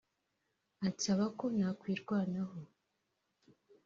ansaba ko nakwirwanaho